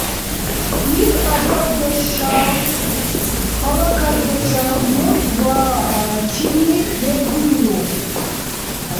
Ил азаддешал, палакатдешал мурт ва чили белгибиру?!